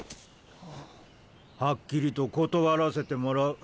「はっきりと断らせてもらう。